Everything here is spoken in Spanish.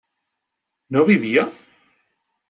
¿no vivía?